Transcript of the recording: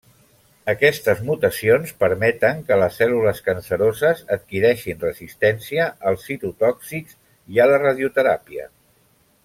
Aquestes mutacions permeten que les cèl·lules canceroses adquireixin resistència als citotòxics i a la radioteràpia.